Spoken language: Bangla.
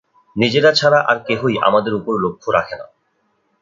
নিজেরা ছাড়া আর কেহই আমাদের উপর লক্ষ্য রাখে না।